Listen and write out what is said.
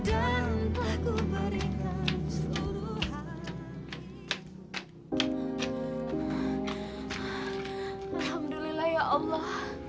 alhamdulillah ya allah